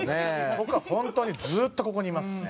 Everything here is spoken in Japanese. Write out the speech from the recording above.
僕は本当にずっとここにいますね。